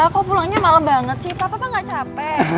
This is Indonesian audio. kok pulangnya malem banget sih papa gak capek